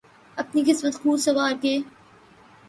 اپنی قسمت خوب سنوار گئے۔